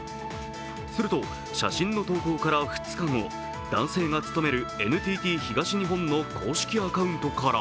すると、写真の投稿から２日、男性が勤めるＮＴＴ東日本の公式アカウントから